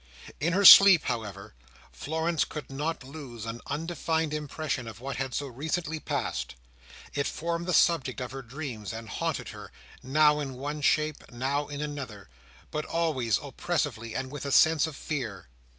In her sleep, however, Florence could not lose an undefined impression of what had so recently passed. It formed the subject of her dreams, and haunted her; now in one shape, now in another; but always oppressively; and with a sense of fear.